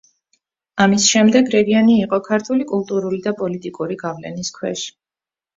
ამის შემდეგ, რეგიონი იყო ქართული კულტურული და პოლიტიკური გავლენის ქვეშ.